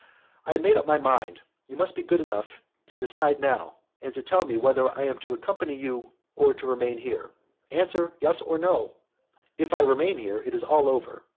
I have made up my mind, you must be good enough to decide now, and to tell me whether I am to accompany you or to remain here. Answer yes or no; if I remain here it is all over.